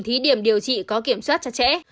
thí điểm điều trị có kiểm soát chặt chẽ